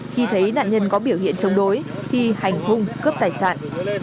khi thấy nạn nhân có biểu hiện chống đối thì hành hung cướp tài sản